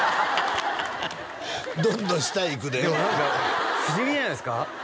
どんどん下いくででも不思議じゃないですか？